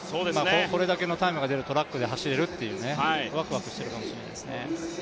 これだけのタイムが出るトラックで走れるってワクワクしてるかもしれませんね。